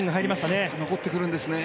残ってくるんですね。